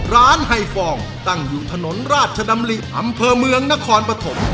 ไฮฟองตั้งอยู่ถนนราชดำริอำเภอเมืองนครปฐม